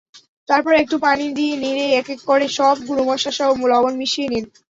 তারপর একটু পানি দিয়ে নেড়ে একেক করে সব গুঁড়ো মশলাসহ লবণ মিশিয়ে নিন।